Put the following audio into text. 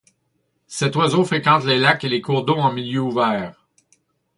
Cet oiseau fréquente les lacs et les cours d'eau en milieu ouvert.